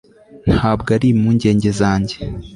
ntabwo ari impungenge zanjye